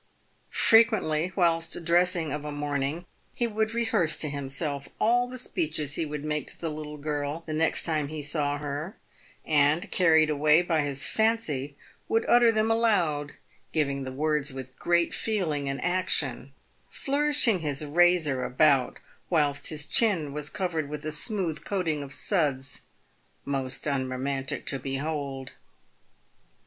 [Frequently whilst dressing of a morning he would rehearse to himself all the speeches he would make to the little girl the next time he saw her, and, carried away by his fancy, would utter them aloud, giving the words with great feeling and action, flourishing his razor about whilst his chin was covered with a smooth coating of suds, most unromantic to behold.